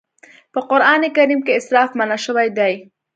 په قرآن کريم کې اسراف منع شوی دی.